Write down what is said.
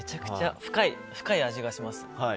深い味がします。